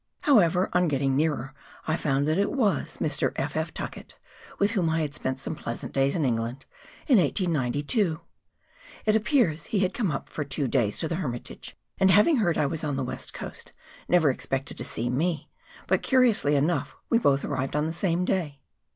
However, on getting nearer I found that it was Mr. F, F. Tuckett, with whom I had spent some pleasant days in England in 1892. It appears he had come up for two days to the Hermitage, and having heard I was on the West Coast never expected to see me, but curiously enough we both arrived on the same day.